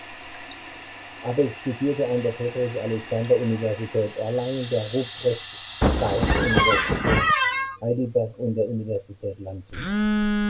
Abegg studierte an der Friedrich-Alexander-Universität Erlangen, der Ruprecht-Karls-Universität Heidelberg und der Universität Landshut.